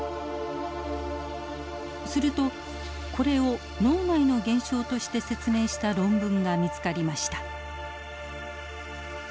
するとこれを脳内の現象として説明した論文が見つかりました。